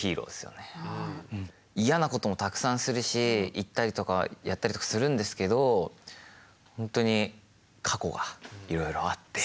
嫌なこともたくさんするし言ったりとかやったりとかするんですけどほんとに過去がいろいろあって。